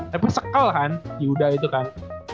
tapi sekel kan yuda itu kan